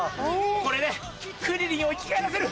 これでクリリンを生き返らせる！